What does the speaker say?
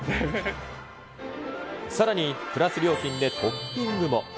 さらに、プラス料金でトッピングも。